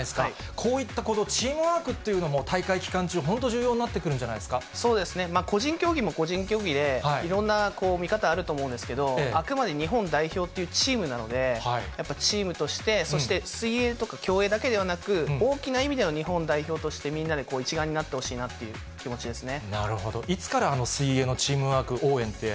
こういったチームワークっていうのも大会期間中、本当重要になっ個人競技も個人競技で、いろんな見方あると思うんですけど、あくまで日本代表というチームなので、やっぱりチームとして、そして水泳とか競泳だけではなく、大きな意味での日本代表として、みんなで一丸になってほしいなという気持ちですね。